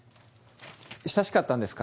親しかったんですか？